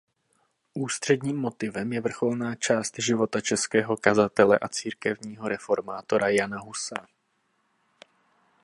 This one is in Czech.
Ústředním motivem je vrcholná část života českého kazatele a církevního reformátora Jana Husa.